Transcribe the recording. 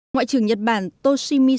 ngoại trưởng nhật bản toshimitsu